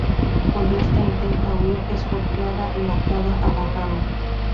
Cuando esta intenta huir, es golpeada y atada a la cama.